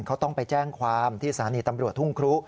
เขาต้องไปแจ้งความที่สถานีตำรวจทุ่งครุ